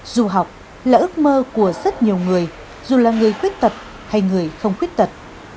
du học là ước mơ của rất nhiều người dù là người khuyết tật hay người không khuyết tật